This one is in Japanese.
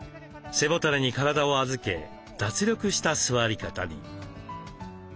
背もたれに体を預け脱力した座り方に。